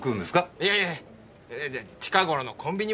いやいや近頃のコンビニもね